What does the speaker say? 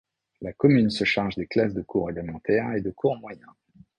La commune se charge des classes de cours élémentaire et de cours moyen.